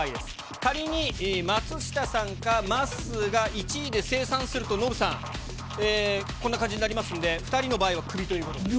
仮に松下さんかまっすーが１位で精算すると、ノブさん、こんな感じになりますんで、２人の場合はクビということです。